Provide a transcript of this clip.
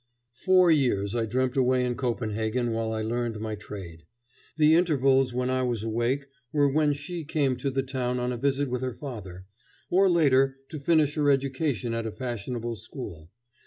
Four years I dreamt away in Copenhagen while I learned my trade. The intervals when I was awake were when she came to the town on a visit with her father, or, later, to finish her education at a fashionable school.